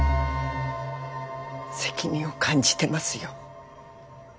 責任を感じてますよ。